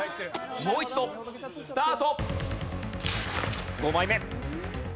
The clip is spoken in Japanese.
もう一度スタート。